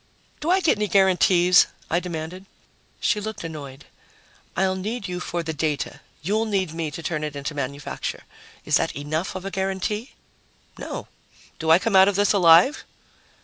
"Do I get any guarantees?" I demanded. She looked annoyed. "I'll need you for the data. You'll need me to turn it into manufacture. Is that enough of a guarantee?" "No. Do I come out of this alive?"